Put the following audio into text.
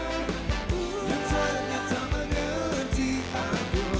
yang tak nyata mengerti aku